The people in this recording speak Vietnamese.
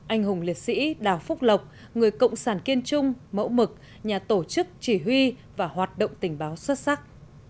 anh hùng liệt sĩ đào phúc lộc người cộng sản kiên trung mẫu mực nhà tổ chức chỉ huy và hoạt động tình báo xuất sắc